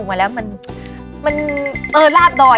ความรัก